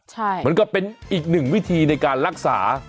เหมือนกับเป็นอีกหนึ่งวิธีในการรักษา